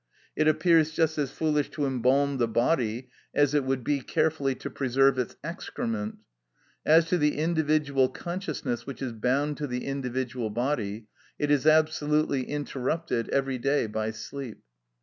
It appears just as foolish to embalm the body as it would be carefully to preserve its excrement. As to the individual consciousness which is bound to the individual body, it is absolutely interrupted every day by sleep.